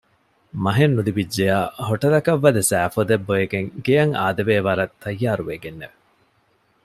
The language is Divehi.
މަހެއް ނުލިބިއްޖެޔާ ހޮޓަލަކަށް ވަދެ ސައިފޮދެއް ބޮއެގެން ގެއަށް އާދެވޭ ވަރަށް ތައްޔާރުވެގެންނެ